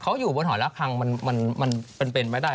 เขาอยู่บนหอยละครั้งมันเป็นไม่ได้